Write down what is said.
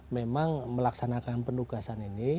memang melaksanakan penugasan ini